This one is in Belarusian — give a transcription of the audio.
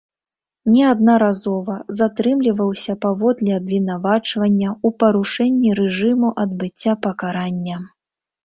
Неаднаразова затрымліваўся паводле абвінавачання ў парушэнні рэжыму адбыцця пакарання.